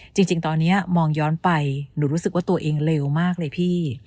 จริงตอนนี้มองย้อนไปหนูรู้สึกว่าตัวเองเลวมากเลยพี่